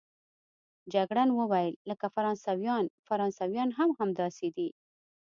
جګړن وویل: لکه فرانسویان، فرانسویان هم همداسې دي.